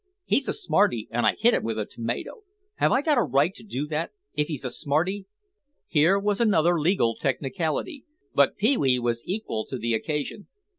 He's a smarty and I hit him with a tomato. Have I got a right to do that—if he's a smarty?" Here was another legal technicality, but Pee wee was equal to the occasion.